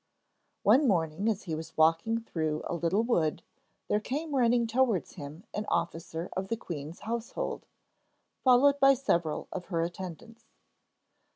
One morning as he was walking through a little wood there came running towards him an officer of the queen's household, followed by several of her attendants.